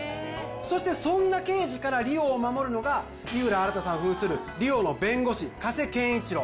そしてそんな刑事から梨央を守るのが井浦新さん扮する梨央の弁護士・加瀬賢一郎